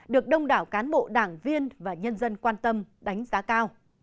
được đông đảo cán bộ đảng viên và nhân dân quan tâm đánh giá cao